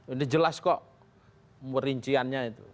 ini jelas kok merinciannya itu